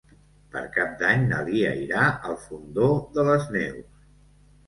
Per Cap d'Any na Lia irà al Fondó de les Neus.